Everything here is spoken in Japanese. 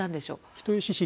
人吉市